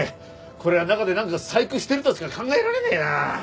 こりゃ中でなんか細工してるとしか考えられねえな！